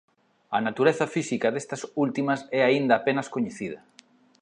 A natureza física destas últimas é aínda apenas coñecida.